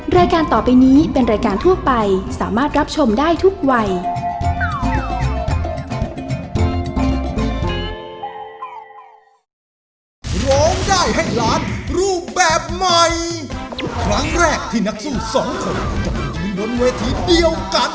รายการต่อไปนี้เป็นรายการทั่วไปสามารถรับชมได้ทุกวัย